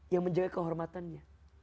yang menjaga kehormatannya